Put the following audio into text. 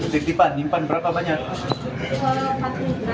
titipan nyimpan berapa banyak